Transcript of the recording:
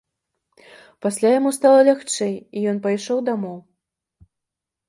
Пасля яму стала лягчэй, і ён пайшоў дамоў.